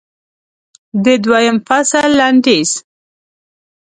د دویم فصل لنډیز